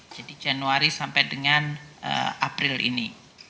jadi januari sampai dengan april ini